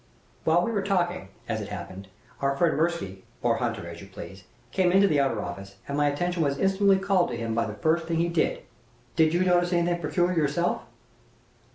While we were talking, as it happened, our friend Mirsky (or Hunter as you please) came into the outer office, and my attention was instantly called to him by the first thing he did. Did you notice anything peculiar yourself?"